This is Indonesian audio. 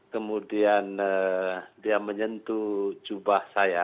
kemudian dia menyentuh jubah saya